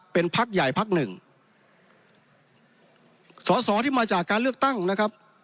เป็นพักใหญ่พักหนึ่งสอสอที่มาจากการเลือกตั้งนะครับ